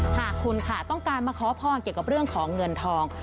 หากคุณค่ะต้องการมาขอพรเกี่ยวกับเรื่องของเงินทอง